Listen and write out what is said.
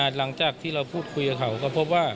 หลังจากที่เราพูดคุยกับเขาก็พบว่า